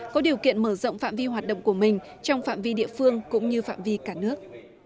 có điều kiện mở rộng phạm vi hoạt động của mình trong phạm vi địa phương cũng như phạm vi cả nước